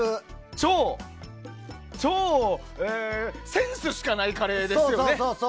超、超センスしかないカレーですよね。